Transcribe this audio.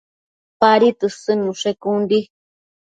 Padi tësëdnushe con di